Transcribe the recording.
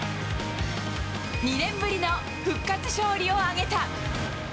２年ぶりの復活勝利を挙げた。